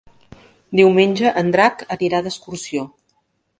Diumenge en Drac anirà d'excursió.